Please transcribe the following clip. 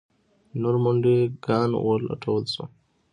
نور منډیي ګان ولټول شول.